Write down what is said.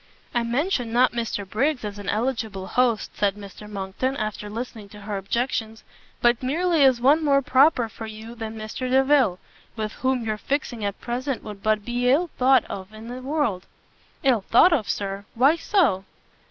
"I mention not Mr Briggs as an eligible host," said Mr Monckton, after listening to her objections, "but merely as one more proper for you than Mr Delvile, with whom your fixing at present would but be ill thought of in the world." "Ill thought of, Sir? Why so?"